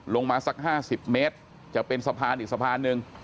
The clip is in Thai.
ลงมาสัก๕๐เมตรจะเป็นสะพานอีกสะพานหนึ่ง